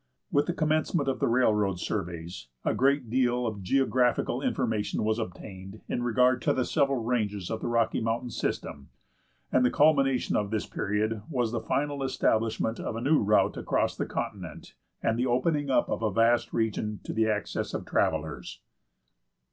With the commencement of the railroad surveys, a great deal of geographical information was obtained in regard to the several ranges of the Rocky Mountain system, and the culmination of this period was the final establishment of a new route across the continent, and the opening up of a vast region to the access of travellers.